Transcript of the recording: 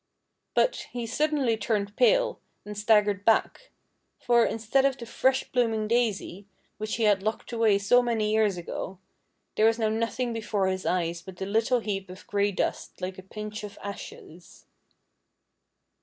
But he suddenly turned pale, and staggered back ; for, in stead of the fresh blooming daisy, which he had locked away so many years ago, there was now nothing before his eyes but a little heap of gray dust, like a pinch of ashes.